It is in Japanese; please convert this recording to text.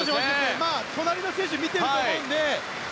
隣の選手を見ていると思うので。